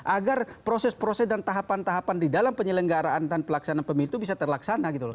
agar proses proses dan tahapan tahapan di dalam penyelenggaraan dan pelaksanaan pemilu itu bisa terlaksana gitu loh